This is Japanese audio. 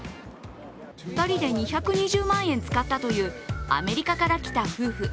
２人で２２０万円使ったというアメリカから来た夫婦。